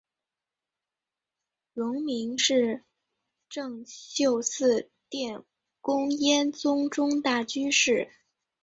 戒名是政秀寺殿功庵宗忠大居士。